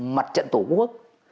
mặt trận tổ quốc